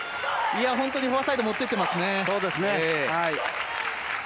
本当にフォアサイド持っていっていますね。